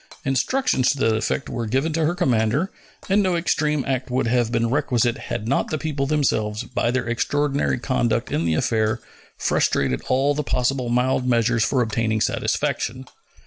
Instructions to that effect were given to her commander; and no extreme act would have been requisite had not the people themselves, by their extraordinary conduct in the affair, frustrated all the possible mild measures for obtaining satisfaction.